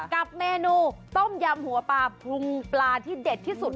กับเมนูต้มยำหัวปลาปรุงปลาที่เด็ดที่สุด